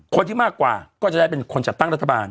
คนที่มากกว่าก็จะได้เป็นคนจัดตั้งรัฐบาล